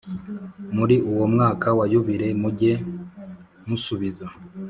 Muri uwo mwaka wa yubile mujye musubiza